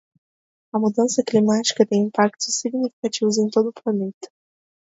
A mudança climática tem impactos significativos em todo o planeta.